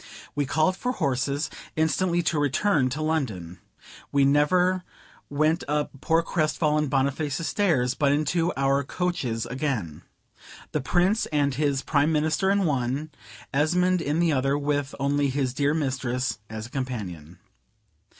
We called for horses, instantly to return to London. We never went up poor crestfallen Boniface's stairs, but into our coaches again. The Prince and his Prime Minister in one, Esmond in the other, with only his dear mistress as a companion.